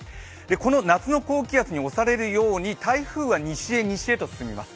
この夏の高気圧に押されるように台風が西へ西へと進みます。